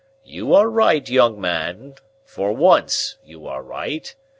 You are right, young man. For once you are right.